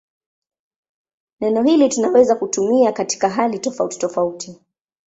Neno hili tunaweza kutumia katika hali tofautitofauti.